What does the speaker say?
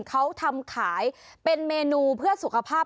เขาทำขายเป็นเมนูเพื่อสุขภาพ